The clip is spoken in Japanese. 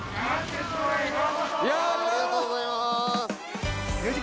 ありがとうございます。